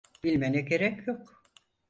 Bilmene gerek yok.